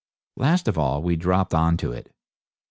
Last of all we dropped on to it.